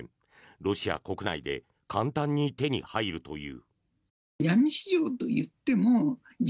ロシア国内で簡単に手に入るという。